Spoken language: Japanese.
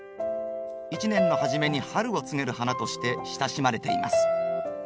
一年の初めに春を告げる花として親しまれています。